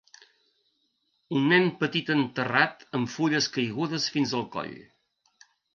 Un nen petit enterrat amb fulles caigudes fins el coll.